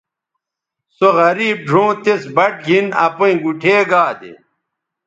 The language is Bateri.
سو غریب ڙھؤں تِس بَٹ گِھن اپیئں گُوٹھے گا دے